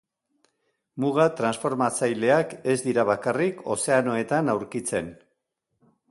Muga transformatzaileak ez dira bakarrik ozeanoetan aurkitzen.